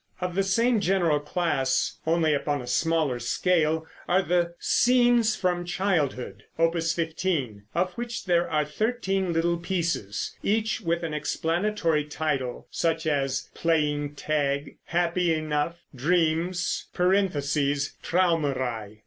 Of the same general class, only upon a smaller scale, are the "Scenes from Childhood," Opus 15, of which there are thirteen little pieces, each with an explanatory title, such as "Playing Tag," "Happy Enough," "Dreams" (Traumerei).